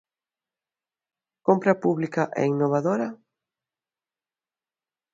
¿Compra pública e innovadora?